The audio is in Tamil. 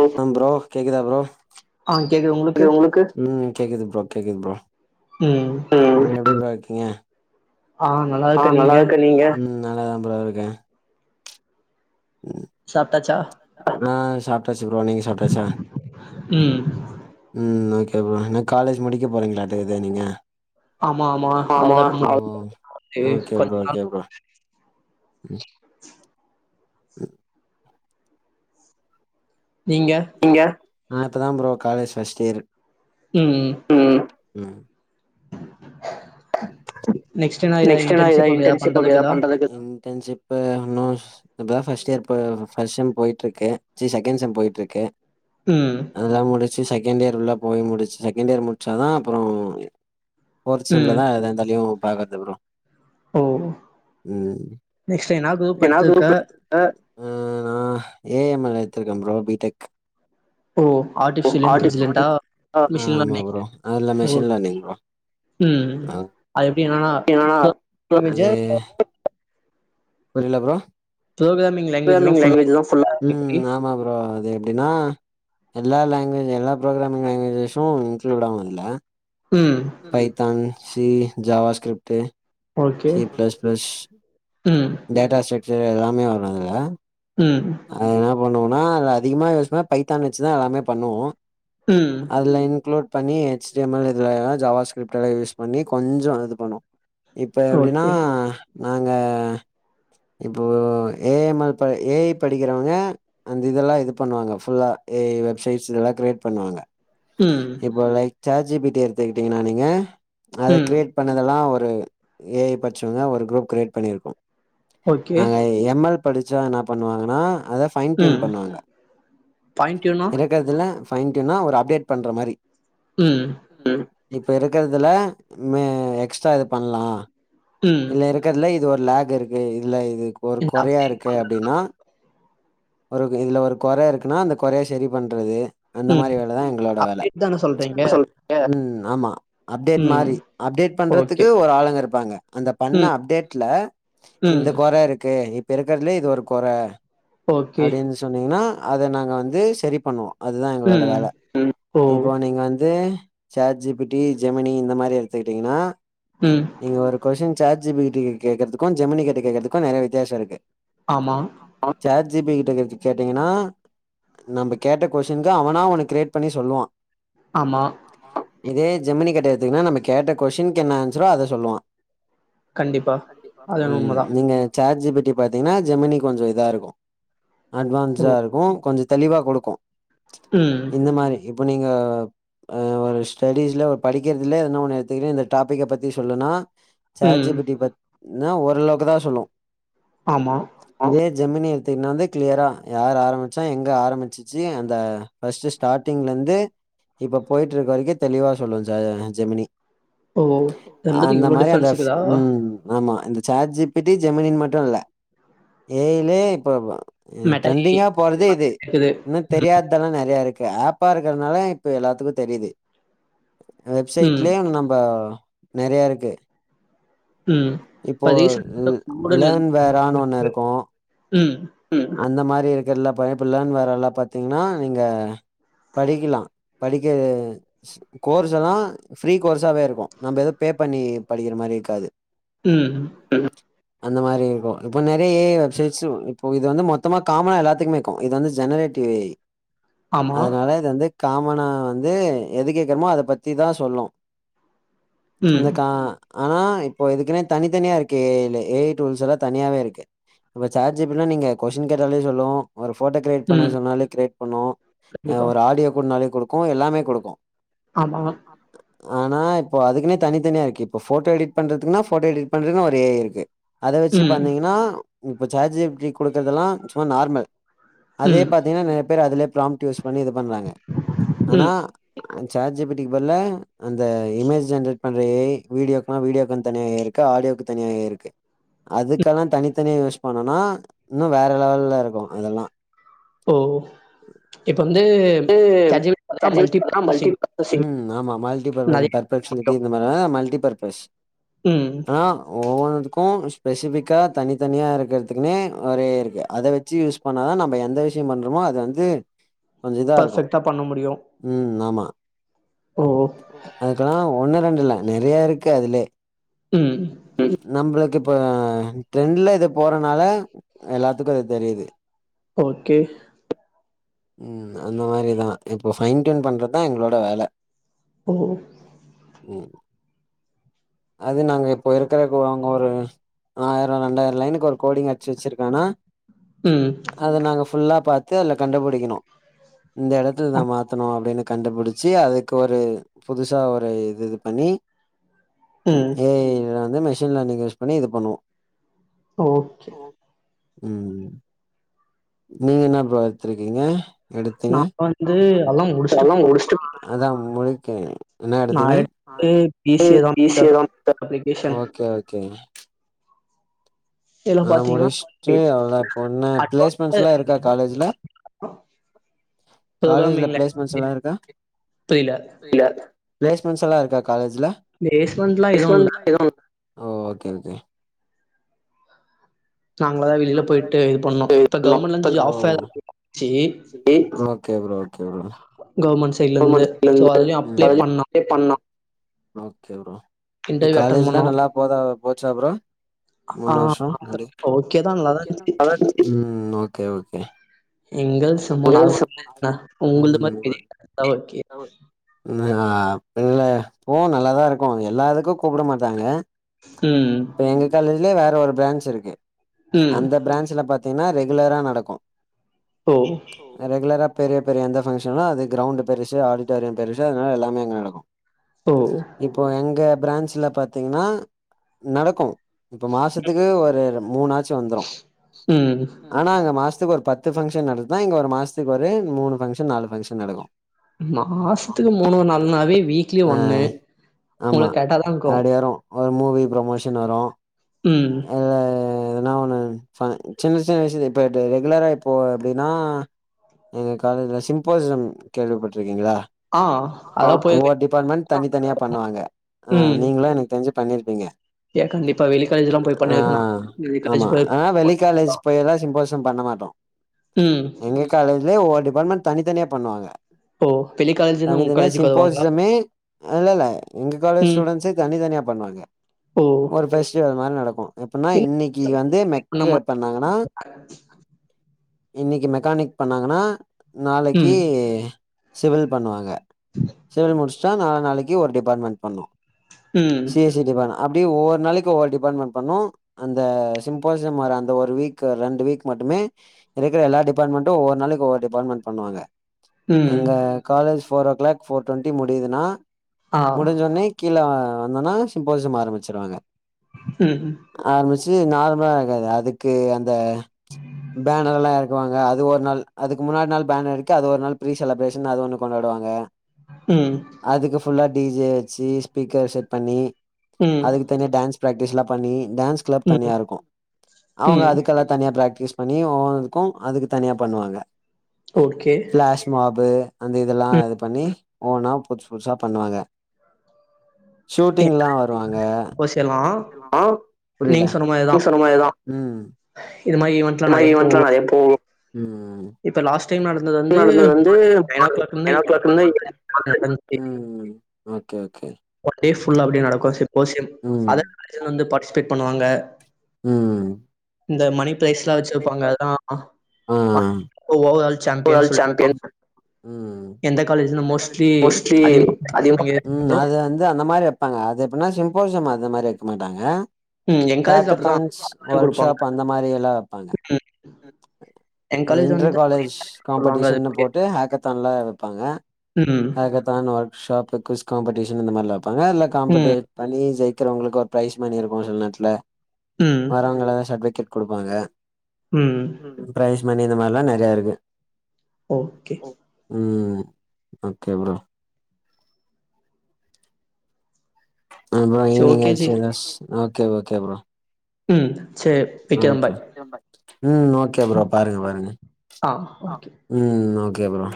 ஆ ப்ரோ கேக்குதா ப்ரோ ஆ கேக்குது உ உங்களுக்கு கேக்குது ப்ரோ கேக்குது ப்ரோ ம் [unintelligible] க்கங்க ஆ நல்லா இருக்கேன் நீங்க ம் நல்லாதான் ப்ரோ இருக்கே சாப்ட்டாச்சா ஆ சாப்ட் ஆ சாப்ட்டாச்சு ப்ரோ நீங்க சாப்ட்டாச்சா ம் ம்ம் ஓகே என்னா காலேஜ் முடிக்க போறீங்களாட்டுது நீங்க ஆமா ஆமா அவ்ளோதா ஆமா ப்ரோ முடிவுக்கு ஓகே கொஞ்ச ப்ரோ நாள் ஓகே ப்ரோ உம் நீங்க நா இப்ப தா ப்ரோ காலேஜ் ஃபர்ஸ்ட் இயர் உம் உம் உம் நெக்ஸ்ட் என்ன ஏதா நெக்ஸ்ட்னா எத ஏதா இன்டர்ன்ஷிப் அப்டி எத பண்றதுக்குதா பண்டதக்கு இன்டர்ன்ஷிப் இப்ப நோஸ் இப்பதா ஃபஸ்ட் இயர் போ ஃபஸ்ட் செம் போயிட்டுருக்கு சி செகண்ட் செம் போயிட்டுருக்கு ம் அதெல்லா முடி சி செகண்ட் இயர் உள்ள போய் முடிச்சு செகண்ட் இயர் முடிச்சாதா அப்பறோ போ ம்ல ம் தா எத [unintelligible] லியூம் பாக்காத ப்ரோ ஓ உம் நெக்ஸ்ட் என்னா குரூப் என்ன குரு எடுத்திருக்க [unintelligible] நா எ யம் ஐ எத்துருக்கே ப்ரோ பீ டெக் ஓ ஆர்டிபிஷியல் இன்டஜிலின்டா ஆ ஆமா ப்ரோ [unintelligible] அதுல ஓ மெஷின் லேர்னிங் ப்ரோ ம் ஆ அது எப்டி என்னனா [unintelligible] இமேஜ அது புரில ப்ரோ ப்ரோக்ராமிங் லாங்குவேஜ் தா ஃபுல்லா எப்டி உம் ஆமா ப்ரோ அதே எப்டின்னா எல்லா லாங்குவேஜ் எல்லா ப்ரோக்ராமிங் லேங்குவேஜஸும் இன்க்ளூட் ஆவு இல்ல ம் Python C JavaScript okay C plus plus ம் டேட்டா சக் செரி எல்லாமே வரோங்களா உம் பண்ணோனா அதுல அதிகம யூஸ் பண்ணா பைத்தான் வச்சு தா எல்லமே பண்ணுவோ ம் அதுல இங்க்ளூட் பண்ணி எச் டி எம் எல் இதுல வேனா ஜாவா ஸ்கிரிப்ட் எல்லா யூஸ் பண்ணி கொஞ்சோ அது பண்ணூ இப்ப எப்டின்னா ஓகே நாங்க இப்போ ஏ எம் எல் ப ஏ ஐ படிக்கிறவங்க அந்த இதுலா இது பண்ணுவாங்க ஃபுல்லா ஏ ஐ வெப்சைட்ஸ்ல எல்லா கிரியேட் பண்ணுவாங்க ம் இப்போ like chat G P T எடுத்துக்கிட்டீங்கன்னா நீங்க அத ம் கிரியேட் பண்ணதெல்லா ஒ ரு ஏஐ பச்சவங்க ஒரு குரூப் கிரியேட் பண்ணி இருக்கோ ஓகே. அங்க எம் எல் படிச்சா என்ன பண்வாங்கன்னா அதை ஃபைன் ட்யுன் ம். பண்வாங்க பாயிண்ட் யூனோ? இருக்கதுல பைன்ட்யுனா ஒரு அப்டேட் பண்ற மாரி உம் ம். இப்ப இருக்கதுல மே எக்ஸ்ட்ரா இது பண்லா ம். இல்ல இருக்கதுல இ து ஒரு லேகு இருக் அ இல்ல இது ஒரு இந்த குறையா அப்டேட் இருக்கு அப்டின்னா பெறகு இதுல ஒரு கொற இருக்குன்னா அந்த கொறய சரி பண்றது அந்த ம். மாரி வேலைதா எங்களோட வேல அப்டேட் தான சொல்றீங்க? சொல் உம் ஆமா அப்டேட் ம். மாரி அப்டேட் ஓகே. பண்றதுக்கு ஒரு ஆளுங்க இருப்பாங்க அந்த பண்ண ம். அப்டேட்ல இந்த ம். கொர இருக்கு அ இப்ப இருக்கறதுலேயே இது ஒரு கொர ஓகே. அப்டின்னு சொன்னீங்கன்னா அத நாங்க வந்து சரி பண்ணுவோ அதுதா எங்களோட ம். வேல ம் ஓ! இப்போ நீங்க வந்து சாட் ஜிபிட்டி ஜெமினி இந்த மாரி எடுத்துக்கிட்டீங்கன்னா ம். நீங்க ஒரு கொஷின் சாட் ஜிபிட்டி கேக்கறது க்கும் ஜெமினி கிட்ட கேக்குறதுக்கு நெறைய வித்தியாஷோ இருக்கு ஆமா ஜிபி கிட்ட கேட்டீங்கன்னா நம்ப கேட்ட குவெஸ்டினுக்கு அவனா ஒன்னு கிரியேட் பண்ணி சொல்வா ஆமா இதே ஜெமினி கிட்ட எடுத்தீங்கனா நம்ம கேட்ட கொஸ்டின் என்ன ஆன்சரோ அத சொல்லுவா கண்டிப்பா அது என்னமோ ம் உண்மதான். நீங்க செக் சாட் ஜிபிடி பாத்தீங்னா ஜெமனி கொஞ்சோ இதா இருக்கு ஓ! அட்வான்ஸா இருக்கு கொஞ்சோ தெளிவா குடுக்கும் ம். இந்த மாரி இப்போ நீங்க அ ஒரு ஸ்டேடிஸ்ல ஒரு படிக்றதுல எதுனா ஒன்று எத்துகுனு இந்த டாப்பிக்க பத்தி சொல்லுன்னா சேட் ஜி ம். பி டி பாத் ன்னா ஓரளவுக்கு தா சொல்லு ஆமா இதே ஜெமினி எத்திங்ன்னா வந்து கிளியரா யார் ஆரமிச்சா எங்க ஆரபிச்சிச்சி அந்த ஃபஸ்ட் ஸ்டார்ட்டிங்ல இருந்து இப்போ போயிட்டு ருக்க வரைக்கூ தெளிவா சொல்லு ஜெமினி ஓ இது ரெண்டுத்துக்கூ அந்த இவ்ளோ மாரி அந்த டிஃப்ரென்ஸ் ஃப் இக்குதா ம் ஆமா இந்த சேட் ஜி பி டி ஜெமினின் மட்டு இல்ல ஏ ஐ லயே இப்போ மெட்டா ஏ ட்ரெண்டிங்கா போறது இது இருக்குது. இன்னோ தெரியாத்தெல்லா நெறைய ருக் ஆப்பா இருக்றனால இப்ப எல்லாதுக்கும் தெரிது ம். வெப்சைட்லெயே நம்ப நெறைய ருக்கு ம். இப்போ இப்ப லே ரீசென்ட்டா கூடன்னு லேன் எதும் வேரான்னு ஒண்ணு இருக்கூ ம் அந்த மாரி இருக்றல்லா பையப்புள்ளன் வேற எல்லா பாத்தீங்ன்னா நீங்க படிகிலா படிக்க கோர்ஸ் எல்லா ஃப்ரீ கோர்ஸாவே இருக்கூ நம்ம எதோ பே பண்ணி படிக்ற மாரி இக்காது ம் அந்த மாரி க்கும் இப்போ நெறைய ஏ யி [unintelligible] இப்போ இது வந்து மொத்தமா காமனா எல்லாத்க்மே ருக்கும் இது வந்து ஜெனரேட்டிவ் ஏ ய் ஆமா. அதனால இது வந்துக் காமனா வந்து எது கேக்குறோமோ அத பத்திதா சொல்லு ம். உனக்கா ஆனா இப்போ இதுக்னே தனித்தனியா இருக்கே ஏலு ஏ ஐ டூல்ஸ் எல்லா தனியாவேருக்கு இப்ப சாட் ஜி பி டி னா நீங்க கொஸ்டின் கேட்டாலே சொல்லோ ஒரு ஃபோட்டோ க்ரேட் பண்ணே ம். சொன்னாலே க்ரேட் பண்ணோ கண்டிப்பா. ஒரு ஆடியோ குடுனாலே குடு கும் எல்லாமே குடுக்கூ ஆமா ஆனா இப்போ அதுக்னே தனிதனியா ருக்கு இப்போ போட்டோ எடிட் பண்றதுகுன்னா போட்டோ எடிட் பண்றதுகுன்னா ஒரு ஏ ஐ இருக்கு அத வெச்சி ம். பந்தீங்ன்னா இப்ப சேட் ஜிப் ஜி குடுக்றதெல்லா சும்மா நார்மல் அதே ம் பாத்தீங்ன்னா நெறய பேர் அதுல ப்ராம்ட் டியூஸ் பண்ணி இது பண்ணி யூஸ் பண்றாங்க ஆனா ம் சேட் ஜி பி டி க்கு பதிலால அந்த இமேஜ் ஜென்ரேட் பண்ற ஏ ஐ வீடியோக்லா வீடியோகன் தனியா ஏ ஐ இருக்கு ஆடியோக் தனியா ஏ ஐ இருக்கு அதுக்கல்லா தனித்தனியாக யூஸ் பண்ணோன்னா இன்னு வேற லெவல்லயிருக்கும் அதெல்லா ஓ இப்ப வந்து இது சாட் ஜி பி டி பாத்தீங்கன்னா மல்டி [unintelligible] ப்ராசஸிங் மல்ட்டிபர்பஷ்ங். ஆமா மல்ட்டிபர்பஷ் நெறைய பர்பெக்ஸ்னிட்டி இந்த மாரி இது பர்பஷ் உம் ஒவ்வொன்னத்துக்கும் ஸ்பெசிபிக்கா தனித்தனியா இருக்கிறதுக்குன்னே ஒரு முறை இருக்கு. அத வச்சி யூஸ் பண்ணாதா நம்ம எந்த விஷயம் பண்றோமோ அது வந்து கொஞ்சம் இதா இருக்கும், பர்ஃபெக்ட்டா பண்ண முடியும் ம் ஆமா ஓ அதக்கெல்லாம் ஒண்ணு, ரெண்டு இல்ல நெறைய இருக்கு அதில்லே ம் [unintelligible] நம்மளுக்கு இப்ப ட்ரெண்ட்ல இது போறனால எல்லாத்துக்கும் இது தெரியுது. ஓகே ம் அந்த மாரிதா. இப்போ ஃபைன் டியூன் பண்றதுதா எங்களோட வேலை ஒ அது நாங்க இப்போ இருக்குறகு அவுங்க ஒரு ஆயரொ ரெண்டாயர் லைனுக்கு ஒரு கோடிங் அச்சி வெச்சிருக்கானா ம் அத நாங்க ஃபுல்லா பாத்து அதுல கண்டபுடி இனோ இந் எடத்துல் தா அ மாத்தணு அப்டினு கண்டுபுடுச்சி அதுக்கு ஒரு புதுசா ஒரு இது இது பண்ணி ம் ஏ ஐ ங்குறா இந்த மெஷின் லேனிங் யூஸ் பண்ணி இது பண்ணுவோ ஓக்கே ம்ம் நீங்க இன்னா ப்ரோ அத்ரி ஈங்க எடுத்திங்க நான் வந்து அதெல்லா முடிச்சுட்டு ப்ரல்லவ் போ முடுஷ்டு அதா முடி என்னா நான் எடுத்திங்க எடுத்து பி டு சி ஏ தான் பி சி ஏ எடுத்தேன் தா அப்ளிகேஷன் [inaudible] ஓகே ஓகே இதுல அ பாத்தீங்கன்னா முடிஷ்ட்டு அவ்ளோ பொண்ணு அட்வான்ஸ்ல ப்ளேஸ்மெண்ஸ்ல்லா இருக்கா காலேஜ்ல காலேஜ்ல ப்ரோக்ராமிங் பிளேஸ்மெண்ஸ் லாங்குவேஜ் எல்லா இருக்கா புரியல இல ப்ளேஸ்மெண்ஸ் எல்லா இருக்கா கா காலேஜ்ல? பிளேஸ்மெண்ட்லா எதுவு இல்ல [unintelligible] ஓ ஓகே ஓகே நாங்களா தா வெளில நாங்களா போய்ட்டு இது பண்ணோம். போயிட்டு இப்ப கவர்மெண்ட்ல இருந்து பண்ணோ. ஜாப் ஃபேர் ஓ வந்திச்சி. Okay bro. [unintelligible] Okay bro [unintelligible] government சைட்ல இருந்து கவர்மெண்ட் சைடுல சோ இருந்து அதுலயு அப்ளை அதுலயும் பண்ணோ அப்ளை பண்ணோம் ஓகேடா இன்டர்வியூ அட்டன் காலேஜ்யெலா பண்ணோ நல்லா போ போச்சா அப்புறம் ஆ மூணு வருஷம் ஓகே தா நல்லாதா இருந்துச்சு ம் ஓகே ஓகே எங்க சும்மா நால மாத உங்கள மாதிரி ம் ஓகே இல்ல போ அங்க நல்லாதான் இருக்கும் எல்லாத்துக்கும் கூப்பிட மாட்டாங்க ம் இப்ப எங்க காலஜிலயே வேற ஒரு பிராஞ்ச் இருக்கு ம் அந்த பிரான்ஞ்சல பாத்த என்னா ரெகுலரா நடக்கும் ஓ பெரிய பெரிய எந்த ஃபங்க்ஷனும் அது கிரௌண்ட் பெருசு ஆடிட்டோரியம் பெருசு அதனால எல்லாமே அங்க நடக்கும் ஓ இப்போ எங்க பிரான்ச் இதுல பாத்தீங்கன்னா நடக்கும் இப்ப மாசத்துக்கு ஒரு மூணாச்சு வந்த்ரு ம் ஆனா அங்க மாஸ் த்தக் ஒரு பத்து ஃபங்ஷ் ஷன் நடந்தா இங்க ஒரு மாசத்துக்கு ஒரு மூணு பங்க்ஷன் நாலு பங்க்ஷன் நடக்கு மாசத்துக்கு மூணோ நால்னாவே வீக்லி ஆ ஒண்ணு ஆமா உங்களுக் கரெக்ட்டாதா இருக்கு அப்டி வரு ஒரு மூவி ப்ரமோஷன் வரு ம் னா ஒன்னு ஃப சின்னச் சின்ன விஷயத் இப்ப ட ரெகுலராக இப்போ அப்டின்னா எங்க காலேஜுல சிம்போசிசம் கேள்விப்பட்ருக்கீங்ளா ஆ அ அதெல்லா போய் ஒவ்வொரு டிபாட்மெண் தனித்தனியா பண்ணுவாங்க ஆ நீங்களு எனக்கு தெரிஞ்சி பண்ணிர்ப்பீங்க எ கண்டிப்பா வெளிக் கா ஆ ஆமா ஆ வெளி காலேஜ் போய்லா சிம்போஸ் பண்ண மாட்டோ ம் எங்க காலேஜ்லயே ஒவொர் டி பாட்மெண்ட் தனித்தனியா பண்ணுவாங்க ஓ வெளி காலேஜ்ல இருந்து உங்க தனித்தனியா காலேஜுக்கு வருவாங்களா சிம்போசிசமே இல்லல்ல எங்க காலேஜ் ம் ஸ்டூடன்ஸே தனித் தனியா பண்ணுவாங்க ஓ ஒரு ஃபெஸ் மாரி நடக்கு எப்புன்னா இல்ல இன்னக்கி வந் து மெக்கு நம்ம பண்ணாங்கனா இன்னிக்கு மெக்கானிக் பண்ணாங்கன்னா நாளைக்கீ ம் சிவில்ல் பண்ணுவாங்க சேரி முடிச்சு சார் நாள நாளைக்கு ஒரு டிபார்ட்மெண்ட் பண்ணணும் ம் சேரி சேரி இது வேணா அப்டியே ஒவ்வொருக்கு நாளைக்கு க்கு ஒவ்வொரு டிபார்ட்மென்ட் பண்ணும் அந்த சிம்பசிம் அந்த ஒரு வீக் ரெண்டு வீக் மட்டுமே இருக்குற எல்லா டிபார்ட்மென்டும் ஒவ்வொரு நாளைக்கி ஒவ்வொரு டிபார்ட்மென்ட் பண்ணுவாஙக ம் எங்க college four o'clock four twenty முடியுதுனா முடிஞ்ஜொன்னே கீழ [unintelligible] வந்தனா சிம்போசம் ஆரம்பிச்சிருவாங்க ம் து நார்மலா இருக்காது அதுக்கு இந்த பேனர் எல்லாம் எறக்குவாங்க [inaudible] ஆஹ் அது ஒரு நாள் அதுக்கு முன்னாடி நாள் பேனடிக்க அது ஒரு நாள் ப்ரீ செலிப்ரேஷன் அது ஒரு நாள் கொண்டாடுவாங்க ம், அதுக்கு ஃபுல்லா டிஜே வச்சு ஸ்பீக்கர் செட் பண்ணி ம், அதுக்கு ம், தனியா டான்ஸ் பிராக்டிஸ்ல்லா பண்ணி டான்ஸ் கிளப் தனியா இருக்கு அவுங்க ம். அதுக்கெல்லா தனியா பிராக்டிஸ் பண்ணி ஒவ்வொன்னதுக்கு அதுக்கு தனியா பண்ணுவாங்க ஓகே. பிளாஷ் மாபு அந்த இதெல்லா ம். இது பண்ணி ஒவ்வொன்னா புதுசு புதுசா பண்ணுவாங்க என் ஷூட்டிங்ல்லா வருவாங்க கோர்ஸ் எல்லாம் ஆ புரியல நீங்க சொன்ன மாரி நீங்க தான். சொன்ன மாரிதா ம் இது மாரி இது ஈவென்ட்லாம் மாரி நெறைய ஈவென்ட்ல்லா போகும். நெறயா போகு ம் இப்ப லாஸ்ட் டைம் நடந்தது வந்து நடந்தது வந்து மார்னிங் ஒரு இருந்து நைன் ஓ க்ளாக் [unintelligible] டென் ஓ க்ளாக் நடந்துச்சு. இருந்து ம் ஓகே ஓகே ஒன் டே ஃபுல்லா அப்டியே நடக்கு சிம்போசியம் அத ம் கழிச்சுதா வந்து [unintelligible] [unintelligible] பண்ணுவாங்க உம் இந்த மணி பிளேஸ்லா வச்சுருப்பாங்க அதா ஆ [inaudible] ஓ சாம்பியன் ஓவரால் சொல்ல சாம்பியன் சொல் ம் [inaudible] எந்த காலேஜ எந்த காலேஜ் மோஸ்ட்லி மோஸ்ட்லி அதிகமா அதிகமா [unintelligible] ம் ங்களோ அது வந்து அந்த மாரி வெப்பாங்க அது எப்படின்னா சிம்போசியம் அந்த மாரி வைக்க மாட்டாங்க ம், என் காலேஜ்ல அப்டிதான் ஹேக்கத்தான்ஸ் ஒர்க் குடுப்பாங்க. ஷாப் அந்த மாரி வேல அவ்வளவுதா [inaudible] ம். என் ம் காலேஜ் இன்ட்ர் வந்து காலேஜ் சொல்லுவாங்க காம்படிஷன்னு அதுக்கு. போட்டு ஹேக்கத்தன்ல ப்பங்க ம். ஹக்த் தானல் ஷாப் குஸ் காம்படிஷன் இந்த மாரில ப்பங்க இல்ல ம் காம்பேட் பன்னி ஜேய் க்கிறவங்களுக்கு ஒரு பிர்ரைஸ் மணியிருக்கு சிலநேர்த்ல ம் வரவங்கல சர்ட்பிகெட் கொடுப்பாங்க ம் ப்ரைஸ் மணி இந்த மாரில்ல நெறைய இருக்கு ஓகே ம் ஓகே அப்றோ அபறோ சரி ஈவினிங் ஓகே ஜி ஆயிடுச்சுல [unintelligible] ஓகே ஓகே ப்ரோ ம் சரி வெக்கலா ஓகே பாய் ம் ஓகே ப்ரோ பாருங்க பாருங்க ஆ ஓகே ம் ஓகே ஓகே ப்றோ